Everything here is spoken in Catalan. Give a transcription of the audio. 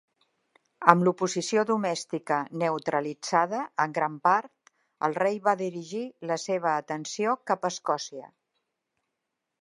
Amb l'oposició domèstica neutralitzada en gran part, el rei va dirigir la seva atenció cap a Escòcia.